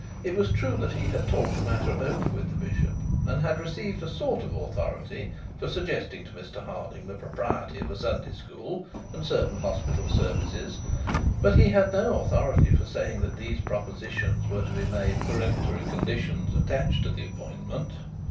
It was true that he had talked the matter over with the bishop, and had received a sort of authority for suggesting to Mr Harding the propriety of a Sunday school, and certain hospital services; but he had no authority for saying that those propositions were to be made peremptory conditions attached to the appointment.